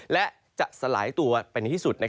และจะสลายตัวเป็นในที่สุด